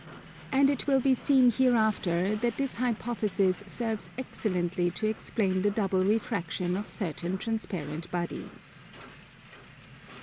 And it will be seen hereafter that this hypothesis serves excellently to explain the double refraction of certain transparent bodies.